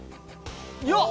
よっ！